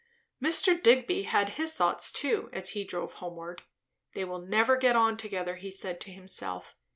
Mr. Digby had his thoughts too as he drove homeward. They will never get on together, he said to himself.